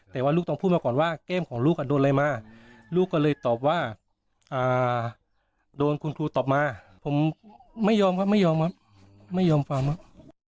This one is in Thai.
แต่ว่าลูกต้องพูดมาก่อนว่าเกมของลูกอ่ะโดนอะไรมาลูกก็เลยตอบว่าอ่าโดนคุณครูตอบมาผมไม่ยอมครับไม่ยอมครับ